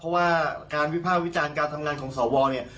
เพราะว่าการวิภาควิจารณ์การทำงานของสวเนี่ย